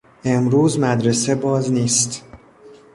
امروز مدرسه باز نیست.